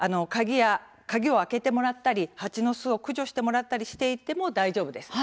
鍵を開けてもらったり蜂の巣を駆除してもらっていても大丈夫です。